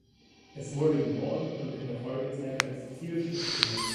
Es wurde geborgen und in der Folgezeit als Zielschiff benutzt.